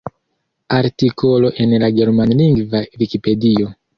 Artikolo en la Germanlingva vikipedio.